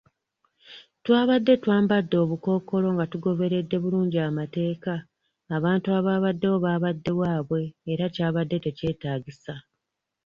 Twabadde twambadde obukookolo nga tugoberedde bulungi amateeka, abantu abaabaddewo baabadde waabwe, era kyabadde tekyetaagisa.